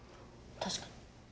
確かに。